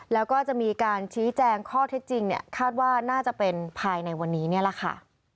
แล้วก็จะมีการชี้แจงข้อเท็จจริงเนี่ยคาดว่าน่าจะเป็นภายในวันนี้นี่แหละค่ะ